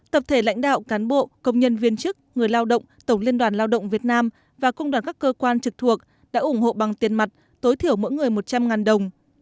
tập thể lãnh đạo cán bộ công nhân viên chức người lao động tổng liên đoàn lao động việt nam và công đoàn các cơ quan trực thuộc đã ủng hộ bằng tiền mặt tối thiểu mỗi người một trăm linh đồng